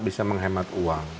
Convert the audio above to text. bisa menghemat uang